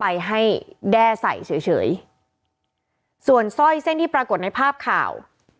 ไปให้แด้ใส่เฉยเฉยส่วนสร้อยเส้นที่ปรากฏในภาพข่าว